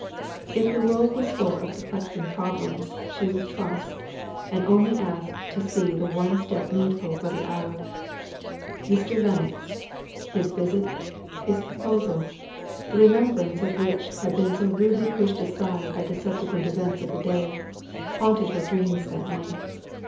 If the world was full of perplexing problems she would trust, and only ask to see the one step needful for the hour. Mr. Lennox his visit, his proposal the remembrance of which had been so rudely pushed aside by the subsequent events of the day haunted her dreams that night.